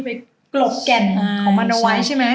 ไปกลบแก่นของมนไว้ใช่ไหม